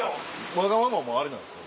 わがままもありなんですか？